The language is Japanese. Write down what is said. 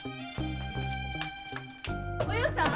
お葉さん！